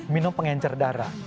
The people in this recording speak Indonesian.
minum pengencer darah